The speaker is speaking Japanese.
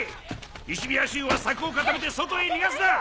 石火矢衆は柵を固めて外へ逃がすな！